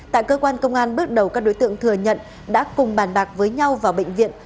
tại cơ quan công an bước đầu các đối tượng thừa nhận đã cùng bàn bạc với nhau vào bệnh viện